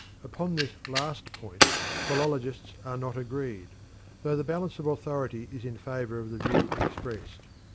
Upon this last point philologists are not agreed, though the balance of authority is in favour of the view expressed.